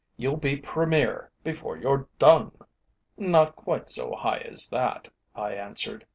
You'll be Premier before you've done." "Not quite so high as that," I answered.